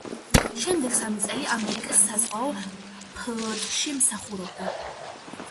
შემდეგ სამი წელი ამერიკის საზღვაო ფლოტში მსახურობდა.